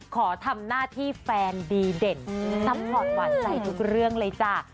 ขอทำหน้าที่แฟนดีเด่นซัพพอร์ตหวานใจทุกเรื่องเลยจ้ะ